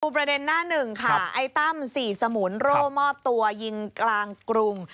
ประเด็นหน้าหนึ่งค่ะไอ้ตั้มสี่สมุนโร่มอบตัวยิงกลางกรุง